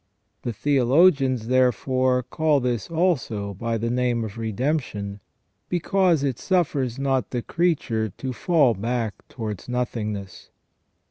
The theologians, therefore, call this also by the name of redemption, because it suffers not the creature to fall back towards nothing ness."